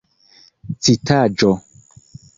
citaĵo